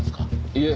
いえ